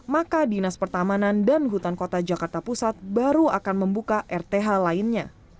maka dinas pertamanan dan hutan kota jakarta pusat baru akan membuka rth lainnya